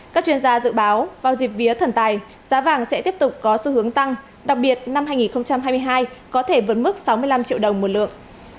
các chuyên gia dự báo vào dịp vía thần tài giá vàng sẽ tiếp tục có xu hướng tăng đặc biệt năm hai nghìn hai mươi hai có thể vượt mức sáu mươi năm triệu đồng một lượng